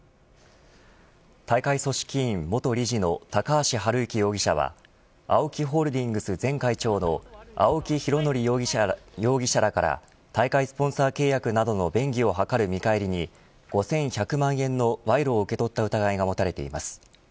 大会組織委員元理事の高橋治之容疑者はＡＯＫＩホールディングス前会長の青木拡憲容疑者らから大会スポンサー契約などの便宜を図る見返りに５１００万円の賄賂を受け取った疑いが持たれています。